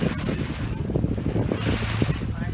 เทพธุ์น้ำดอกกะแให้เวลาและกลิ่น